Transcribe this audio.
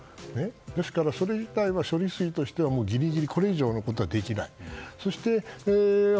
ですからそれ以外は処理水としてギリギリこれ以上のことはできない。